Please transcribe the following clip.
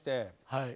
はい。